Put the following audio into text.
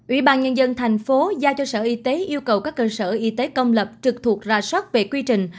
ủy ban nhân dân tp hcm giao cho sở y tế yêu cầu các cơ sở y tế công lập trực thuộc ra sót về quy trình